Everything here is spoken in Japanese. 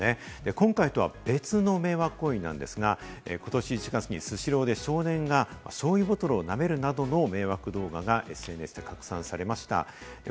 今回とは別の迷惑行為なんですが、ことし１月にスシローで少年がしょうゆボトルをなめるなどの迷惑動画がＳＮＳで拡散されました。